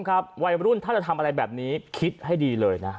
ครับวัยรุ่นถ้าจะทำอะไรแบบนี้คิดให้ดีเลยนะ